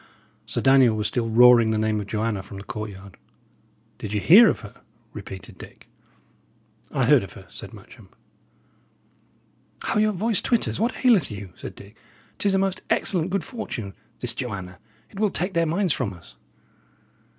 Sir Daniel was still roaring the name of Joanna from the courtyard. "Did ye hear of her?" repeated Dick. "I heard of her," said Matcham. "How your voice twitters! What aileth you?" said Dick. "'Tis a most excellent good fortune, this Joanna; it will take their minds from us."